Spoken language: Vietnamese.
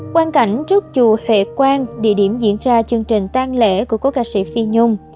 quan cảnh trước chùa huệ quang địa điểm diễn ra chương trình tang lễ của cố ca sĩ phi nhung